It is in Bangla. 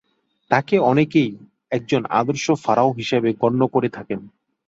তাঁকে অনেকেই একজন আদর্শ ফারাও হিসেবে গণ্য করে থাকেন।